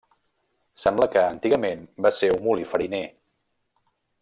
Sembla que, antigament, va ser un molí fariner.